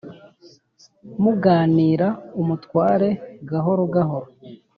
Muganira umutware gahoro gahoro